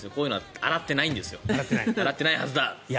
洗ってないはずだ。